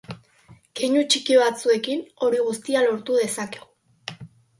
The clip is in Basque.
Keinu txiki batzuekin hori guztia lortu dezakegu.